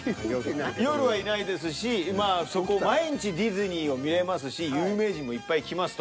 夜はいないですしまあそこ毎日ディズニーを見れますし有名人もいっぱい来ますと。